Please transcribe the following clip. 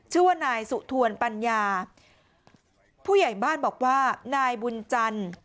ชื่อว่านายสุทวนปัญญาผู้ใหญ่บ้านบอกว่านายบุญจันทร์